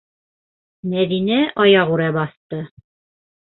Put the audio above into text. Мәҙинә аяғүрә баҫты: